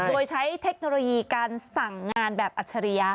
โดยใช้เทคโนโลยีการสั่งงานแบบอัจฉริยะ